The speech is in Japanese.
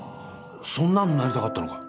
そんなんなりたかったのか。